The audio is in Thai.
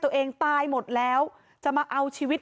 ตัวเองตายหมดแล้วจะมาเอาชีวิต